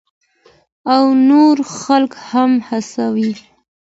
او نور خلک هم هڅوي.